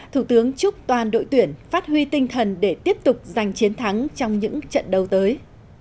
thủ tướng chúc toàn đội tuyển phát huy tinh thần để tiếp tục giành chiến thắng trong những trận đấu tới